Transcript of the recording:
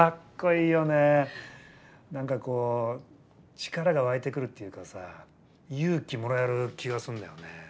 なんかこう力が湧いてくるっていうかさ勇気もらえる気がすんだよね。